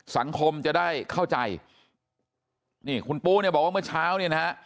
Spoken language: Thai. สังคมจะได้เข้าใจคุณปูบอกว่าเมื่อเช้านี่นะ